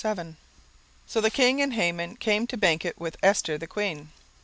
17:007:001 So the king and Haman came to banquet with Esther the queen.